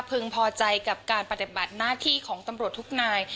พอใจกับการปฏิบัติหน้าที่ของตำรวจทุกนาย